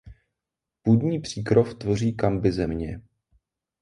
Půdní příkrov tvoří kambizemě.